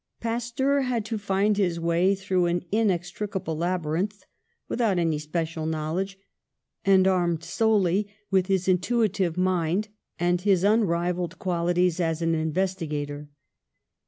Pasteur had to find his way through an in extricable labyrinth, without any special knowl edge, and armed solely with his intuitive mind and his unrivalled qualities as an investigator.